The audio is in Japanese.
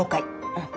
うん。